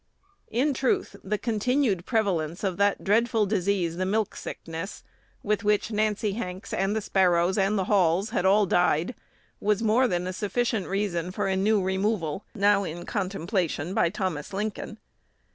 In truth, the continued prevalence of that dreadful disease, the milk sickness, with which Nancy Hanks and the Sparrows and the Halls had all died, was more than a sufficient reason for a new removal, now in contemplation by Thomas Lincoln.